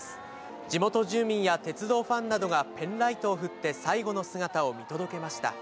地元住民や鉄道ファンなどがペンライトを振って、最後の姿を見届けました。